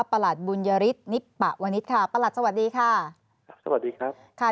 ประหลัดบุญยฤทธิ์นิปปะวนิตค่ะประหลัดสวัสดีค่ะสวัสดีครับ